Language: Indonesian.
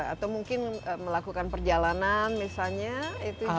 atau mungkin melakukan perjalanan misalnya